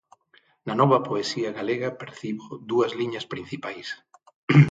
Na nova poesía galega percibo dúas liñas principais.